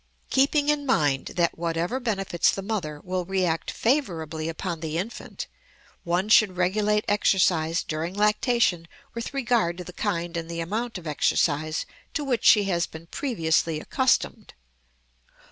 Keeping in mind that whatever benefits the mother will react favorably upon the infant, one should regulate exercise during lactation with regard to the kind and the amount of exercise to which she has been previously accustomed.